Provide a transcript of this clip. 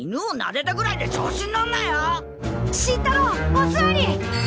おすわり！